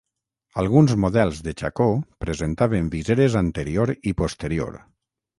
Alguns models de xacó presentaven viseres anterior i posterior.